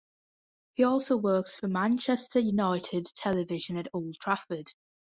He also works for Manchester United Television at Old Trafford.